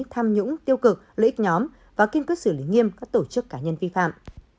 tham nhũng tiêu cực lợi ích nhóm và kiên quyết xử lý nghiêm các tổ chức cá nhân vi phạm